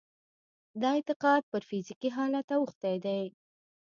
دا اعتقاد پر فزيکي حالت اوښتی دی.